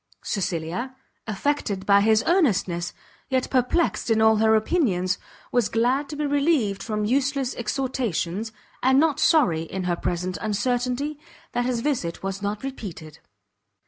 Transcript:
Cecilia, affected by his earnestness, yet perplexed in all her opinions, was glad to be relieved from useless exhortations, and not sorry, in her present uncertainty, that his visit was not repeated.